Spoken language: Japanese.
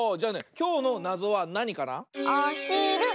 きょうのなぞはなにかな？